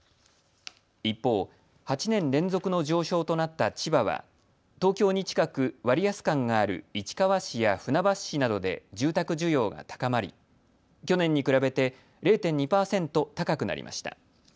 一方、８年連続の上昇となった千葉は東京に近く割安感がある市川市や船橋市などで住宅需要が高まり去年に比べて０．２％高くなりました。